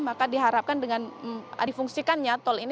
maka diharapkan dengan difungsikan ya tol ini